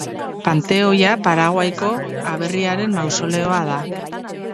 Panteoia Paraguaiko aberriaren mausoleoa da.